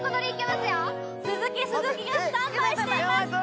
鈴木鈴木がスタンバイしています